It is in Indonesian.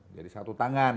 jadi satu tangan